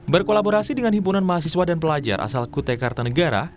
berkolaborasi dengan himpunan mahasiswa dan pelajar asal kutai kartanegara